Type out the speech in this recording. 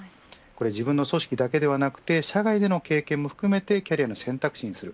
自分の組織だけではなく社外での経験も含めてキャリアの選択肢にする。